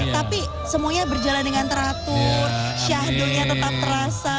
tapi semuanya berjalan dengan teratur syahdulnya tetap terasa